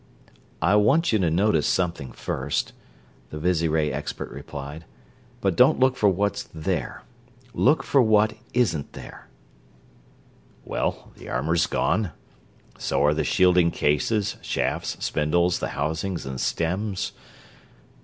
"I want you to notice something first," the visiray expert replied. "But don't look for what's there look for what isn't there." "Well, the armor is gone. So are the shielding cases, shafts, spindles, the housings and stems...."